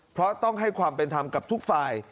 เพราะต้องให้ความเป็นธรรมกับทุกฝ่าย